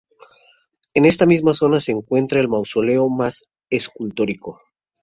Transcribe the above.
En esta misma zona se encuentra el mausoleo más escultórico.